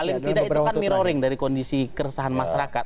paling tidak itu kan mirroring dari kondisi keresahan masyarakat